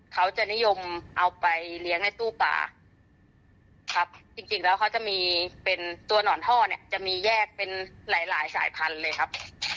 เขาถ่ายมาให้ดูหน่อยครับ